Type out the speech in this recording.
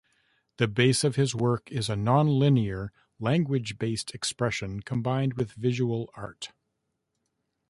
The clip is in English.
The base of his work is a nonlinear language-based expression combined with visual art.